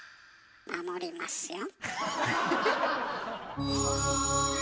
守りますよ。